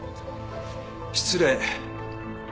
失礼。